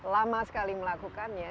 lama sekali melakukannya